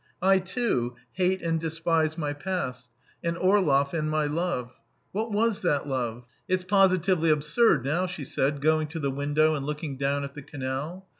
I, too, hate and despise my past, and Orlov and my love. ... What was that love? It's positively absurd now," she said, going to the window and looking down at the canal.